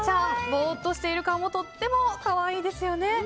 ボーっとしている顔もとっても可愛いですよね。